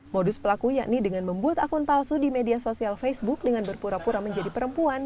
modus pelaku yakni dengan membuat akun palsu di media sosial facebook dengan berpura pura menjadi perempuan